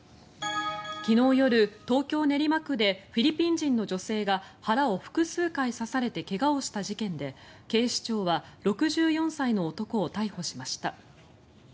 昨日夜、東京・練馬区でフィリピン人の女性が腹を複数回刺されて怪我をした事件で警視庁は６４歳の男を逮捕しました。